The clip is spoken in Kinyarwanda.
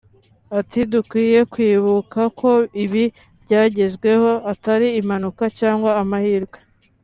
Ati “Dukwiye kwibuka ko ibi byagezweho atari impanuka cyangwa amahirwe